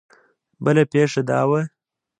بله پېښه دا وه.